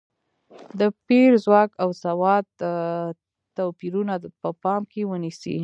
د پېر ځواک او سواد توپیرونه په پام کې ونیسي.